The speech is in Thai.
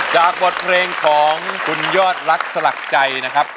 บทเพลงของคุณยอดรักสลักใจนะครับ